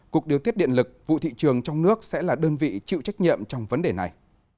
cục điều tiết điện lực vụ thị trường trong nước sẽ là đơn vị chịu trách nhiệm trong vấn đề này